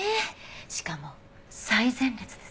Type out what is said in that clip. しかも最前列です。